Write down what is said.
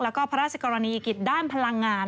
แล้วก็พระราชกรณียกิจด้านพลังงาน